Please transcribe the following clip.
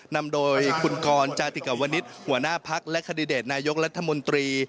นำโดยคุณกรจาติกวนิษฐ์หัวหน้าพักและคันดิเดตนายกรัฐมนตรี